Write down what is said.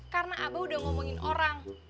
karena abah udah ngomongin orang